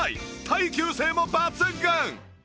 耐久性も抜群！